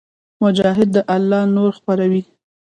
مجاهد د الله نور خپروي.